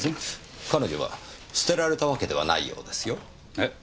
彼女は捨てられたわけではないようですよ。えっ？